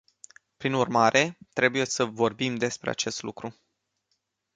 Prin urmare, trebuie să vorbim despre acest lucru.